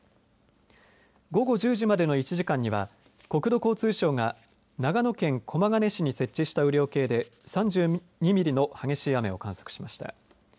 午後１０時までの１時間には国土交通省が長野県駒ヶ根市に設置した雨量計で３２ミリの激しい雨を観測しました。